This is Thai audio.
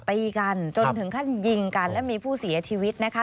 ตีกันจนถึงขั้นยิงกันและมีผู้เสียชีวิตนะคะ